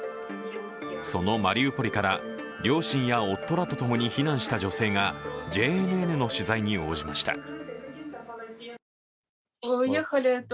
そのマリウポリから両親や夫らとともに避難した女性が、ＪＮＮの取材に応じました。